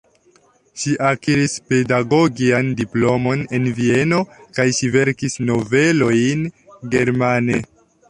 Ŝi akiris pedagogian diplomon en Vieno kaj ŝi verkis novelojn germane.